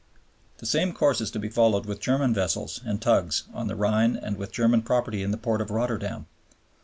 The same course is to be followed with German vessels and tugs on the Rhine and with German property in the port of Rotterdam.